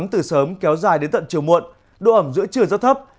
từ sớm kéo dài đến tận chiều muộn độ ẩm giữa trưa rất thấp